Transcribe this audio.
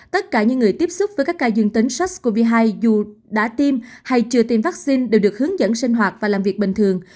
tất cả những người tiếp xúc với các ca dương tính sars cov hai dù đã tiêm hay chưa tiêm vaccine đều được hướng dẫn sinh hoạt và làm việc bình thường